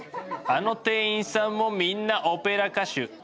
あの店員さんもみんなオペラ歌手。